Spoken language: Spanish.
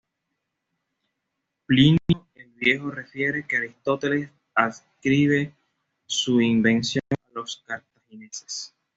Plinio el Viejo refiere que Aristóteles adscribe su invención a los cartagineses.